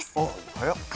早っ。